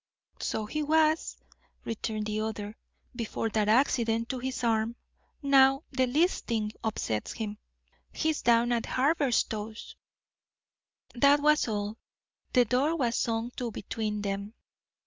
"So he was," returned the other, "before that accident to his arm. Now the least thing upsets him. He's down at Haberstow's." That was all; the door was swung to between them.